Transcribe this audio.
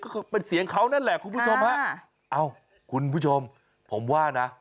ก็คือเป็นเสียงเขานั่นแหละคุณผู้ชมฮะเอ้าคุณผู้ชมผมว่านะ